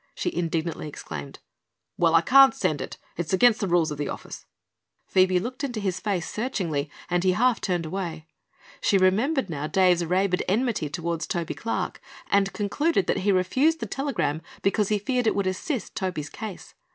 she indignantly exclaimed. "Well, I can't send it; it's against the rules of the office." Phoebe looked into his face searchingly and he half turned away. She remembered now Dave's rabid enmity toward Toby Clark and concluded that he refused the telegram because he feared it would assist Toby's case.